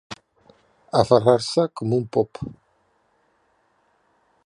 Aferrar-se com un pop.